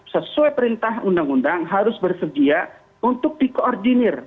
sesuai perintah undang undang harus bersedia untuk dikoordinir